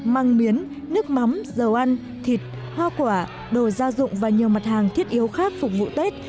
măng miến nước mắm dầu ăn thịt hoa quả đồ gia dụng và nhiều mặt hàng thiết yếu khác phục vụ tết